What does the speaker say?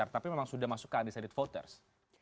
tapi memang sudah masuk ke adis adit voters